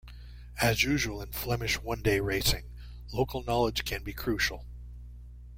As usual in Flemish one-day racing, local knowledge can be crucial.